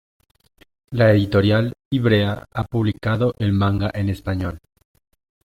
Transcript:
La editorial Ivrea ha publicado el manga en español.